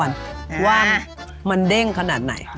ว่ามันเด้งขนาดไหน